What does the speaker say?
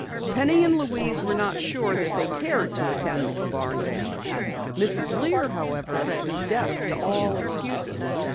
Penny and Louise were not sure that they cared to attend the barn dance. Mrs. Lear, however, was deaf to all excuses.